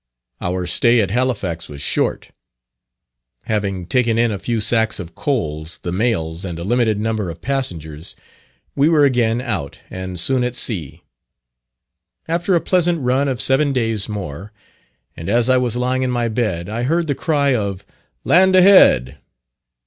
Our stay at Halifax was short. Having taken in a few sacks of coals, the mails, and a limited number of passengers, we were again out, and soon at sea. After a pleasant run of seven days more, and as I was lying in my bed, I heard the cry of "Land a head."